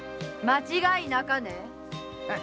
間違いなかね。